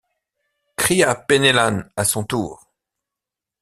cria Penellan à son tour.